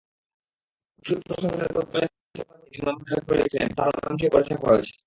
ওষুধ প্রশাসনের তৎকালীন তত্ত্বাবধায়ক যিনি মামলা করেছিলেন, তাঁর নামটিও খবরে ছাপা হয়েছে।